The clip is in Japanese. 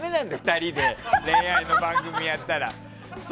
２人で恋愛の番組をやったら。